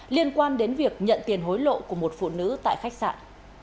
liên quan đến việc nhận tiền hối lộ của một phụ nữ tại khách sạn